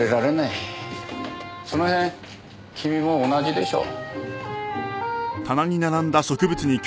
その辺君も同じでしょう。